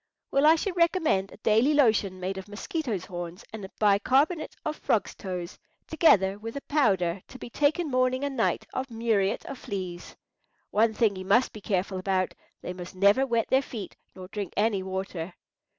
"Well, I should recommend a daily lotion made of mosquitoes' horns and bicarbonate of frogs' toes, together with a powder, to be taken morning and night, of muriate of fleas. One thing you must be careful about: they must never wet their feet, nor drink any water."